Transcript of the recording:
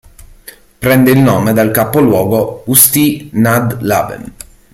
Prende il nome dal capoluogo Ústí nad Labem.